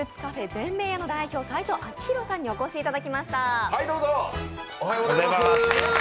ぜんめいやさんの代表、齋藤章浩さんにお越しいただきました。